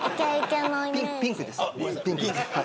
ピンクです。